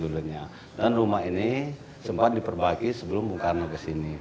dan rumah ini sempat diperbagi sebelum bung karno ke sini